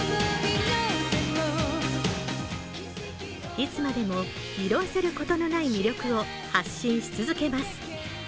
いつまでも色あせることのない魅力を発信し続けます。